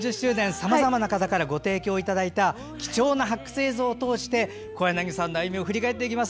さまざまな方からご提供いただいた貴重な発掘映像を通して小柳さんの歩みを振り返っていきます。